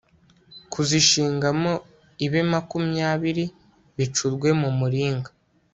kuzishingamo ibe makumyabiri bicurwe mu miringa